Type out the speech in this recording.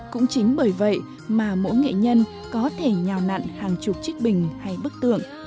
cũng chính bởi vậy mà mỗi nghệ nhân có thể nhào nặn hàng chục chiếc bình hay bức tượng